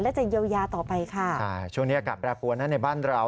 และจะเยียวยาต่อไปค่ะใช่ช่วงนี้อากาศแปรปวนนะในบ้านเรา